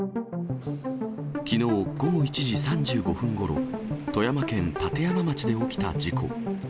きのう午後１時３５分ごろ、富山県立山町で起きた事故。